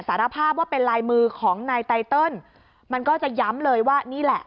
สารภาพว่าเป็นลายมือของนายไตเติลมันก็จะย้ำเลยว่านี่แหละ